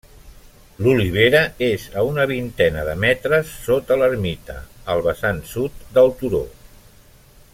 L'olivera és a una vintena de metres sota l'ermita, al vessant sud del turó.